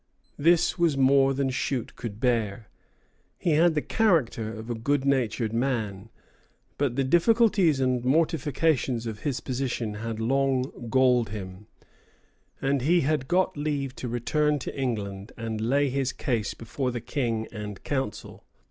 This was more than Shute could bear. He had the character of a good natured man; but the difficulties and mortifications of his position had long galled him, and he had got leave to return to England and lay his case before the King and Council.